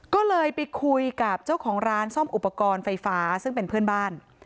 ก็เลยไปคุยกับเจ้าของร้านซ่อมอุปกรณ์ไฟฟ้าซึ่งเป็นเพื่อนบ้าน